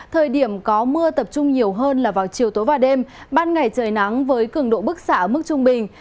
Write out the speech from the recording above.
thời điểm có mưa tập trung nhiều hơn là vào chiều tối và đêm ban ngày trời nắng với cường độ bức xạ ở mức trung bình